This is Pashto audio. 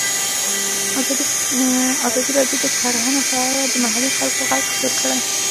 ازادي راډیو د کرهنه په اړه د محلي خلکو غږ خپور کړی.